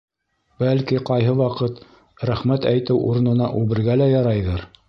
Бәлки, ҡайһы ваҡыт, рәхмәт әйтеү урынына, үбергә лә ярайҙыр.